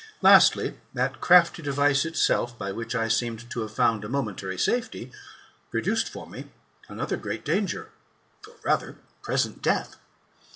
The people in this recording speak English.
Lastly, that crafty device itself, by which I seemed to have found a momentary safety, produced for me another great danger, or rather present death.